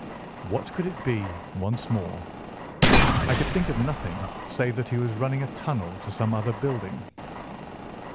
What could it be, once more? I could think of nothing save that he was running a tunnel to some other building.